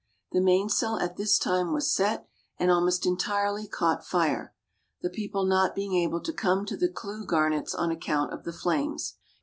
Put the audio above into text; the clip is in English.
The main sail at this time was set, and almost entirely caught fire; the people not being able to come to the clue garnets on account of the flames.